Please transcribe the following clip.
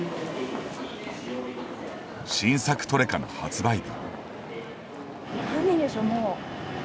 新作トレカの発売日。